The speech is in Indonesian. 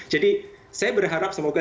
jadi saya berharap semoga